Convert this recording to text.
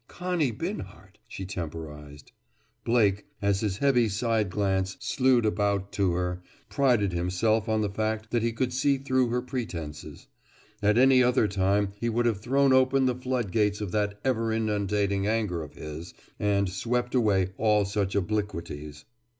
"Connie Binhart!" she temporized. Blake, as his heavy side glance slewed about to her, prided himself on the fact that he could see through her pretenses. At any other time he would have thrown open the flood gates of that ever inundating anger of his and swept away all such obliquities.